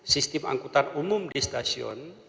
sistem angkutan umum di stasiun